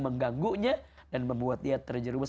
mengganggunya dan membuat dia terjerumus